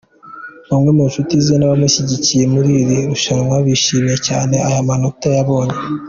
Bamwe mu nshuti ze n'abanushyigikiye muri iri rushanwa, bishimiye cyane aya manota yabonye.